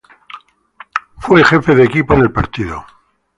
Fue Jefe de Staff en el Partido.